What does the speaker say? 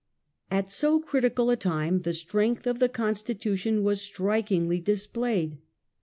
At so critical a time the strength of the Constitution Dispixted was strikingly displayed.